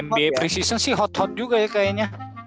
nba preseason sih hot hot juga ya kayaknya